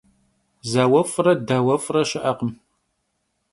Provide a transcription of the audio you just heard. Zauef're dauef're şı'ekhım.